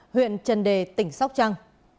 huyện trần đề tỉnh sóc trăng